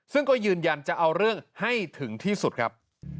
ซึ่งก็ยืนยันจะเอาเรื่องให้ถึงที่สุดครับ